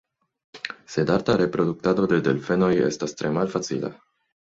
Sed arta reproduktado de delfenoj estas tre malfacila.